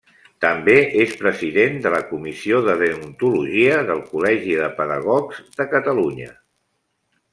També és president de la Comissió de Deontologia del Col·legi de Pedagogs de Catalunya.